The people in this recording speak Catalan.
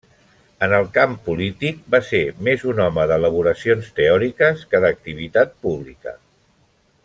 En el camp polític, va ser més un home d'elaboracions teòriques que d'activitat pública.